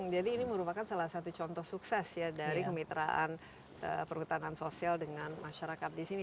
jadi ini merupakan salah satu contoh sukses ya dari kemitraan perhutanan sosial dengan masyarakat di sini